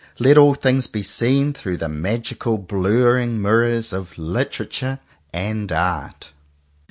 Let all things be seen through the magical blurring mirrors of Literature and Art.